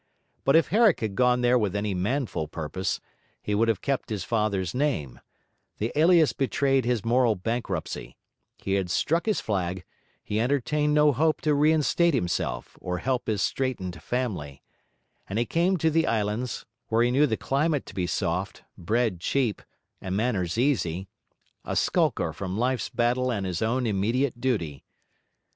But if Herrick had gone there with any manful purpose, he would have kept his father's name; the alias betrayed his moral bankruptcy; he had struck his flag; he entertained no hope to reinstate himself or help his straitened family; and he came to the islands (where he knew the climate to be soft, bread cheap, and manners easy) a skulker from life's battle and his own immediate duty.